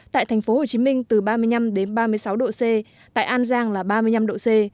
tại thành phố hồ chí minh từ ba mươi năm đến ba mươi sáu độ c tại an giang là ba mươi năm độ c